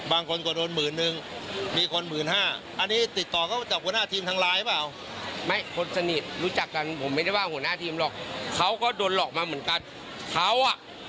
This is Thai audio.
อันนี้ติดต่อก็จากหัวหน้าทีมทางลาย